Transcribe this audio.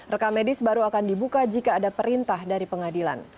rekamedis baru akan dibuka jika ada perintah dari pengadilan